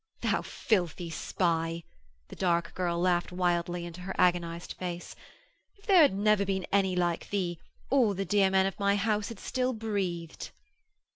'Thou filthy spy,' the dark girl laughed wildly into her agonised face. 'If there had never been any like thee all the dear men of my house had still breathed.'